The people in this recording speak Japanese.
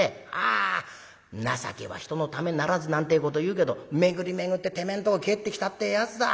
あ『情けは人のためならず』なんてえこというけど巡り巡っててめえんとこ返ってきたってえやつだ。